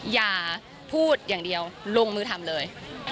อย่าพูดอย่างเดียวลงมือทำเลย